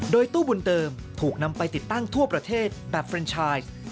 โดยตู้บุญเติมถูกนำไปติดตั้งทั่วประเทศแบบเรนชาย